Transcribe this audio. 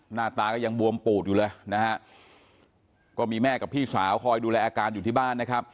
หน้าตาก็ยังบวมปูดอยู่เลยนะฮะก็มีแม่กับพี่สาวคอยดูแลอาการอยู่ที่บ้านนะครับ